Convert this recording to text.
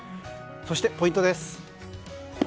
そして、ポイントです。